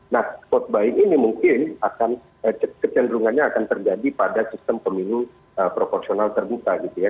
nah spot buying ini mungkin akan kecenderungannya akan terjadi pada sistem pemilu proporsional terbuka gitu ya